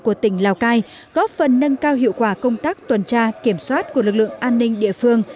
của tỉnh lào cai góp phần nâng cao hiệu quả công tác tuần tra kiểm soát của lực lượng an ninh địa phương